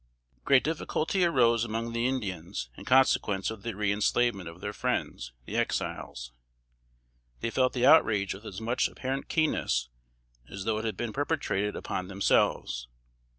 Great difficulty arose among the Indians in consequence of the reënslavement of their friends, the Exiles. They felt the outrage with as much apparent keenness as though it had been perpetrated upon themselves.